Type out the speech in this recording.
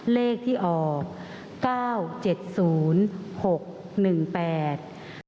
เลขที่ออกเก้าเจ็ดศูนย์หกหนึ่งแปด